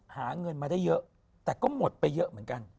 หาเงินมาได้เยอะแต่ก็หมดไปเยอะเหมือนกัน